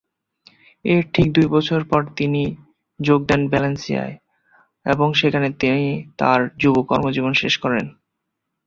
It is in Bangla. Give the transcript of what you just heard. এর ঠিক দুই বছর পর তিনি যোগ দেন ভালেনসিয়ায় এবং সেখানে তিনি তার যুব কর্মজীবন শেষ করেন।